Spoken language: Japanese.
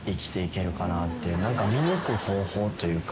見抜く方法というか。